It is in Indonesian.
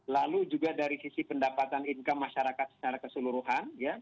lalu juga dari sisi pendapatan income masyarakat secara keseluruhan